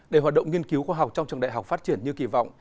để hoạt động nghiên cứu khoa học trong trường đại học phát triển như kỳ vọng